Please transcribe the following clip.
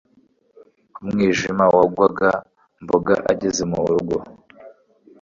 umwijima wagwaga mboga ageze murugo